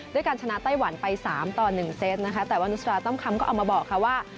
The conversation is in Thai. ด้วยการชนะไต้หวันไป๓ต่อ๑เซตนะคะแต่วันนุสราต้มคำก็ออกมาบอกค่ะว่า